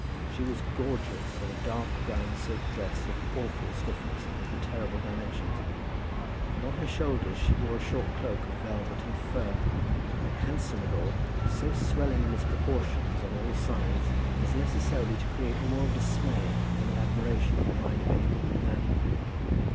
She was gorgeous in a dark brown silk dress of awful stiffness and terrible dimensions; and on her shoulders she wore a short cloak of velvet and fur, very handsome withal, but so swelling in its proportions on all sides as necessarily to create more of dismay than of admiration in the mind of any ordinary man.